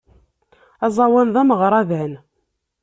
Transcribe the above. Aẓawan d ameɣradan.